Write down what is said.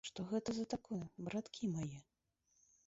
Што гэта за такое, браткі мае?